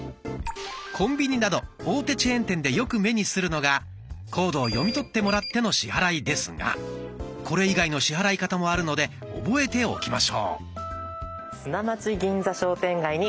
コンビニなど大手チェーン店でよく目にするのがコードを読み取ってもらっての支払いですがこれ以外の支払い方もあるので覚えておきましょう。